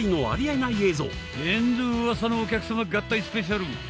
アンド「ウワサのお客さま」合体スペシャル！